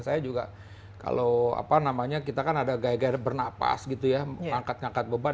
saya juga kalau kita kan ada gaya gaya bernapas gitu ya angkat angkat beban